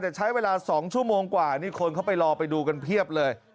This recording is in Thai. แต่ใช้เวลา๒ชั่วโมงกว่านี่คนเข้าไปรอไปดูกันเพียบเลย